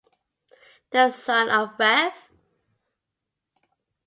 The son of Rev.